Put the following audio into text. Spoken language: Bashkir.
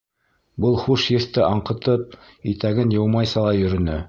Был хуш еҫте аңҡытып итәген йыумайса ла йөрөнө.